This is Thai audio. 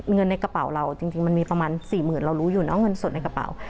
เงินในกระเป๋าเราจริงมันมีประมาณ๔๐๐๐เรารู้อยู่นะเงินสดในกระเป๋า